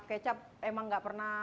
kecap emang gak pernah